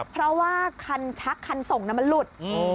เพราะว่าคันชักคันส่งมันหลุด